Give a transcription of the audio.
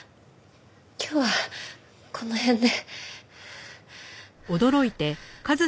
今日はこの辺で。